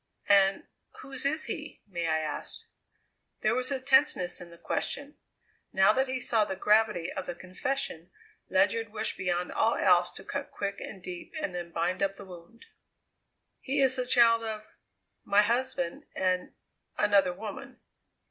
"And whose is he may I ask?" There was a tenseness in the question. Now that he saw the gravity of the confession Ledyard wished beyond all else to cut quick and deep and then bind up the wound. "He is the child of my husband, and another woman."